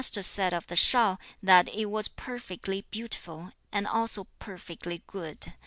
He said of the Wu that it was perfectly beautiful but not perfectly good.